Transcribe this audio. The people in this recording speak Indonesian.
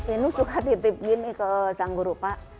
ini suka titip gini ke sang guru pak